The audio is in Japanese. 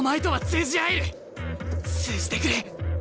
通じてくれ。